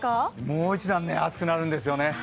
もう一段暑くなるんですよね。